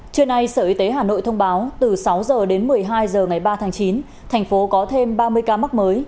trưa nay sở y tế hà nội thông báo từ sáu h đến một mươi hai h ngày ba tháng chín thành phố có thêm ba mươi ca mắc mới